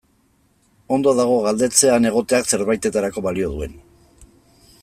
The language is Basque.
Ondo dago galdetzea han egoteak zerbaitetarako balio duen.